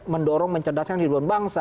mendorong mencerdatkan kehidupan bangsa